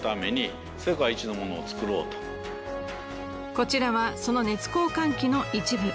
こちらはその熱交換器の一部。